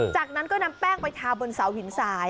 จากนั้นก็นำแป้งไปทาบนเสาหินสาย